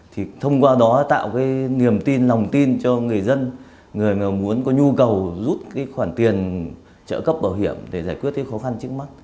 thì thông qua đó tạo cái niềm tin lòng tin cho người dân người mà muốn có nhu cầu rút cái khoản tiền trợ cấp bảo hiểm để giải quyết cái khó khăn trước mắt